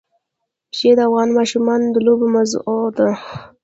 ښتې د افغان ماشومانو د لوبو موضوع ده.